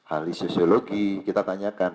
ahli sosiologi kita tanyakan